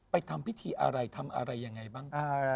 ทำพิธีอะไรทำอะไรยังไงบ้าง